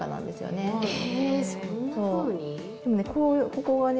ここがね